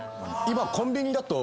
今コンビニだと。